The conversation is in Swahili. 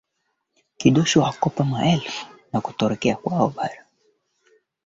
amethibitisha kushikiliwa kwa nasubuga ambaye